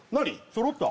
そろった？